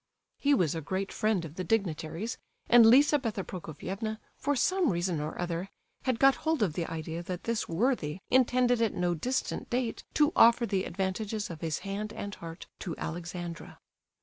He was a great friend of the dignitary's, and Lizabetha Prokofievna, for some reason or other, had got hold of the idea that this worthy intended at no distant date to offer the advantages of his hand and heart to Alexandra.